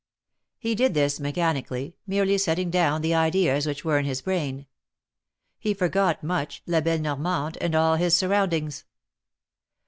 He did this mechanically, merely setting down the ideas which were in his brain. He forgot Much, La belle Normande and all his surroundings.